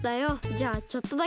じゃあちょっとだけね。